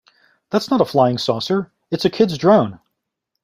That's not a flying saucer, its a kids drone.